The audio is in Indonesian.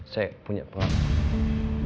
saya punya pengalaman